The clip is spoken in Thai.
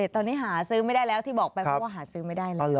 ตอนนี้หาซื้อไม่ได้แล้วที่บอกไปเพราะว่าหาซื้อไม่ได้แล้ว